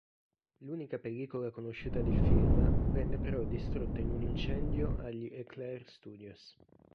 L'unica pellicola conosciuta del film venne però distrutta in un incendio agli Éclair Studios.